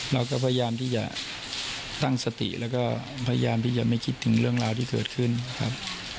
เราก็พยายามที่จะตั้งสติแล้วก็พยายามที่จะไม่คิดถึงเรื่องราวที่เกิดขึ้นนะครับ